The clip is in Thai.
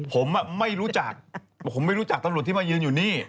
ผมไม่รู้จักผมไม่รู้จักตำรวจที่มายืนอยู่นี่